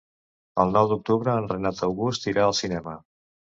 El nou d'octubre en Renat August irà al cinema.